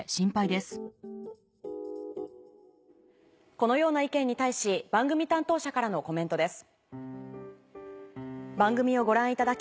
このような意見に対し番組担当者からのコメントです。